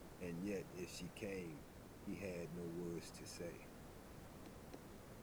And yet if she came he had no words to say.